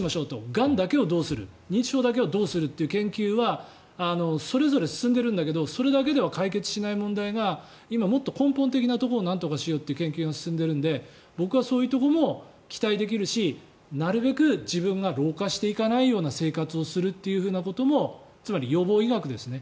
がんだけをどうする認知症だけをどうするという研究はそれぞれ進んでいるんだけどそれだけでは解決しない問題が今、もっと根本的なところをなんとかしようという研究が進んでいるので僕はそういうところも期待できるしなるべく自分が老化していかないような生活をしていくということもつまり予防医学ですね。